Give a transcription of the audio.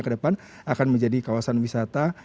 kedepan akan menjadi kawasan wisata